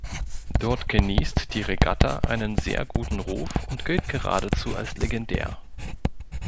Dort genießt die Regatta einen sehr guten Ruf und gilt geradezu als legendär.